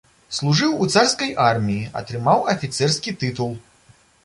Служыў у царскай арміі, атрымаў афіцэрскі тытул.